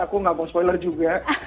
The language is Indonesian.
aku nggak mau spoiler juga